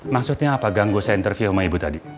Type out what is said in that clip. maksudnya apa ganggu saya interview sama ibu tadi